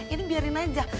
ini biarin aja